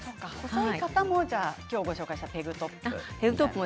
細い方もきょうご紹介したペグトップ。